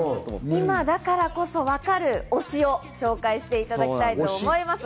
今だからこそ分かる推しを紹介してもらいたいと思います。